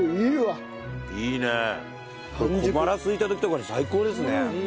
小腹すいた時とかに最高ですね。